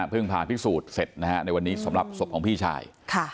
ผ่าพิสูจน์เสร็จนะฮะในวันนี้สำหรับศพของพี่ชาย